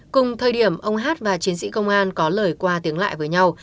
cùng thời điểm ông hát và chiến sĩ công an có lời qua tiếng lại với nhau